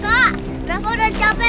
kak kenapa udah cape